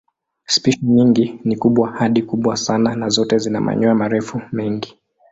Spishi nyingi ni kubwa hadi kubwa sana na zote zina manyoya marefu mengi.